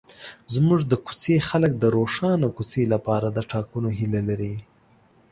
زموږ د کوڅې خلک د روښانه کوڅې لپاره د ټاکنو هیله لري.